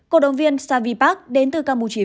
cổ động viên savipak đến từ campuchia